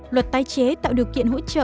luật tái chế tạo điều kiện hỗ trợ